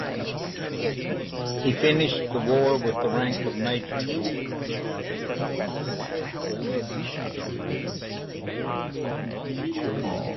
He finished the war with the rank of major.